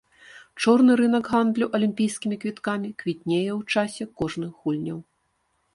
Чорны рынак гандлю алімпійскімі квіткамі квітнее ў часе кожных гульняў.